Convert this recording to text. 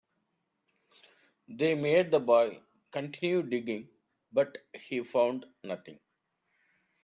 They made the boy continue digging, but he found nothing.